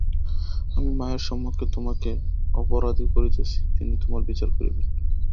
আমি মায়ের সমক্ষে তোমাকে অপরাধী করিতেছি, তিনি তোমার বিচার করিবেন।